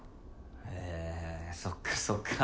へえそっかそっか。